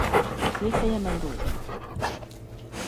Székhelye Mendoza.